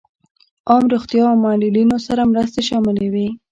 عام روغتیا او معلولینو سره مرستې شاملې وې.